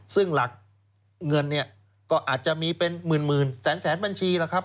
ซึ่งหลักเงินเนี่ยก็อาจจะมีเป็นหมื่นแสนบัญชีล่ะครับ